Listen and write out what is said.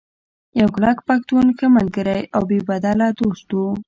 يو کلک پښتون ، ښۀ ملګرے او بې بدله دوست وو